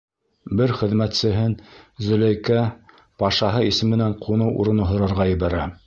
Бер хеҙмәтсеһен Зөләйкә пашаһы исеменән ҡуныу урыны һорарға ебәрә.